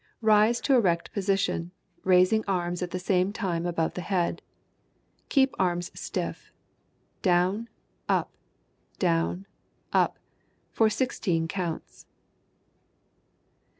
Rise to erect position, raising arms at the same time above the head. Keep arms stiff. Down, up, down, up, for sixteen counts.